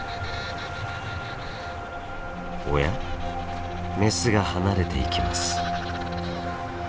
おやメスが離れていきます。